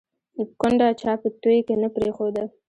ـ کونډه چا په توى کې نه پرېښوده